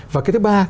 và cái thứ ba